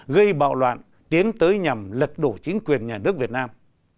gây bạo loạn tiến tới nhằm lật đổ chính quyền nhà nước việt nam